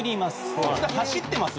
こっち側に走ってます